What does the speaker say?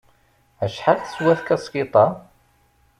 Acḥal teswa tkaskiḍt-a?